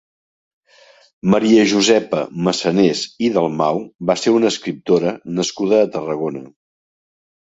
Maria Josepa Massanés i Dalmau va ser una escriptora nascuda a Tarragona.